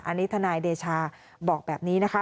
อันนี้ทนายเดชาบอกแบบนี้นะคะ